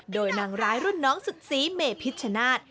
โดยนางร้ายรุ่นน้องสุดสีเมพิชชนาธิ์